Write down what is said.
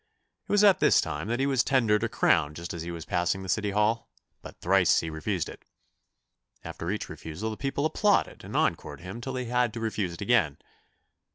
It was at this time that he was tendered a crown just as he was passing the City Hall, but thrice he refused it. After each refusal the people applauded and encored him till he had to refuse it again.